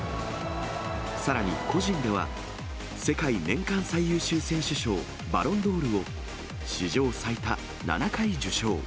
さらに個人では、世界年間最優秀選手賞、バロンドールを史上最多７回受賞。